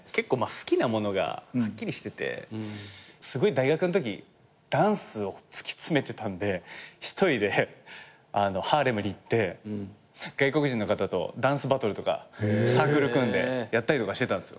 好きなものがはっきりしてて大学のときダンスを突き詰めてたんで１人でハーレムに行って外国人の方とダンスバトルとかサークル組んでやったりとかしてたんですよ。